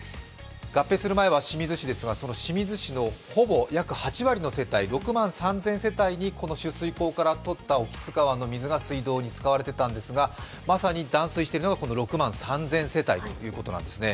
合併する前は清水市ですが、その清水市の約８割の世帯６万３０００世帯にこの取水口から取った興津川の水が水道に使われてたんですがまさに断水しているのが６万３０００世帯ということなんですね